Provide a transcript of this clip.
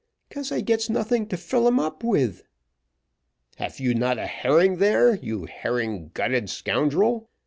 "'Cause I gets nothing to fill 'em up with." "Have you not a herring there, you herring gutted scoundrel?